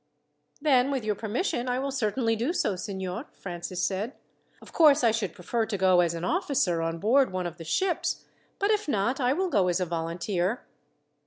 "Then, with your permission I will certainly do so, signor," Francis said. "Of course I should prefer to go as an officer on board one of the ships; but if not, I will go as a volunteer."